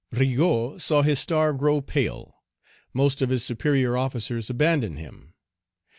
Rigaud saw his star grow pale. Most of his superior officers abandoned him.